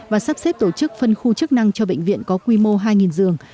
và sắp xếp tổ chức phân khu chức năng cho bệnh viện có quy mô hai giường